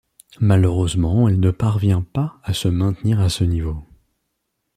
Malheureusement elle ne parvient pas à se maintenir à ce niveau.